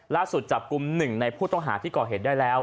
ล่าสุดจับกลุ่มหนึ่งในผู้ต้องหาที่ก่อเหตุได้แล้ว